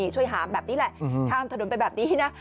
ช่วยหามแบบนี้แหละข้ามถนนไปแบบนี้นะ